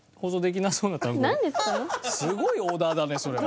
すごいオーダーだねそれ。